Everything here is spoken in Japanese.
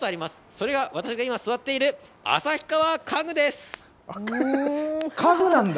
それが私が今座っている旭川家具家具なんだ？